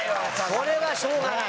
それはしょうがない。